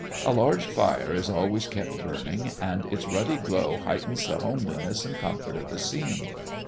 A large fire is always kept burning; and its ruddy glow heightens the homeliness and comfort of the scene.